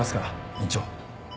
院長。